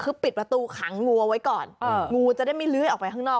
คือปิดประตูขังงูเอาไว้ก่อนงูจะได้ไม่เลื้อยออกไปข้างนอก